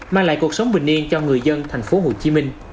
mang lại cuộc sống bình yên cho người dân thành phố hồ chí minh